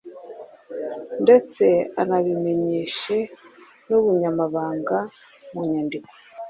ndetse anabimenyeshe n’ubunyamabanga mu nyandiko